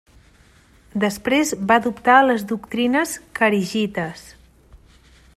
Després va adoptar les doctrines kharigites.